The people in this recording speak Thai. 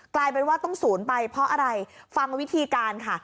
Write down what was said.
กลายเป็นว่าต้องศูนย์ไปเพราะอะไรฟังวิธีการค่ะ